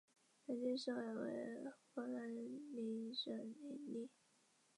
边界道路大致上沿着深圳河的南岸而建。